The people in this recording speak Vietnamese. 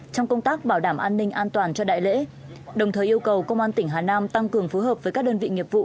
trong công tác bảo đảm an ninh an toàn cho đại lễ đồng thời yêu cầu công an tỉnh hà nam tăng cường phối hợp với các đơn vị nghiệp vụ